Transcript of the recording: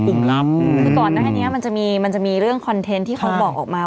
คือก่อนแบบนี้มันจะมีเรื่องคอนเทนต์ที่เขาบอกออกมา